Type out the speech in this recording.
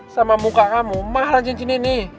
sama muka kamu mahal cincin ini